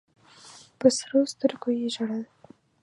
په سرو سترګو یې ژړل.